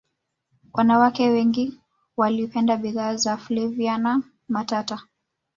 wanawake wengi walipenda bidhaa za flaviana matata